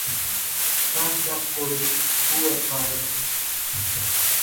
چانڪ چانڪ ڪورِي ۿوُئر پاريَ سي۔